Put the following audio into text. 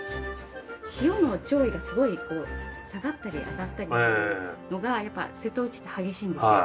潮の潮位がすごいこう下がったり上がったりするのがやっぱ瀬戸内って激しいんですよ